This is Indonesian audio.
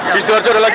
di situ arjo ada lagi